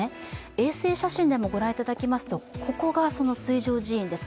衛星写真でも御覧いただきますとここが水上寺院です。